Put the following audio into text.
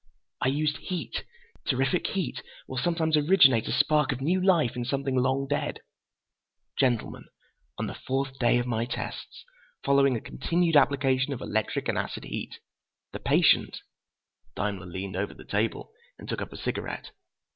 "I used heat. Terrific heat will sometimes originate a spark of new life in something long dead. Gentlemen, on the fourth day of my tests, following a continued application of electric and acid heat, the patient—" Daimler leaned over the table and took up a cigarette.